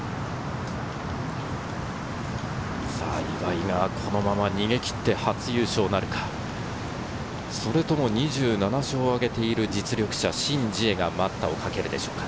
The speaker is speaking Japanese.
岩井がこのまま逃げ切って初優勝なるか、それとも２７勝を挙げている実力者、シン・ジエが待ったをかけるでしょうか。